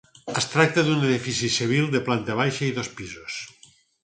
Es tracta d'un edifici civil de planta baixa i dos pisos.